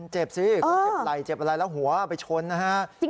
เจ็บสิคุณเจ็บไหล่เจ็บอะไรแล้วหัวไปชนนะฮะ